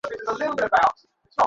চোখ বড় বড় করে শুনছে।